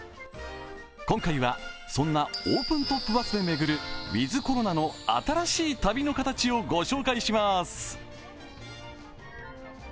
今回はそんなオープントップバスで巡るウィズ・コロナの新しい旅の形を御紹介します。